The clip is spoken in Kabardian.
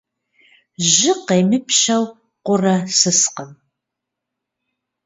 Жьы къемыпщэу къурэ сыскъым.